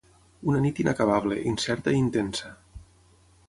Una nit inacabable, incerta i intensa.